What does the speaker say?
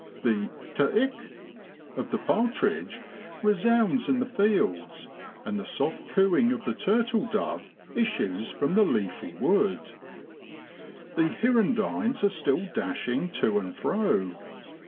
The ter ick of the partridge resounds in the fields, and the soft cooing of the turtle dove issues from the leafy wood. The hirundines are still dashing to and fro.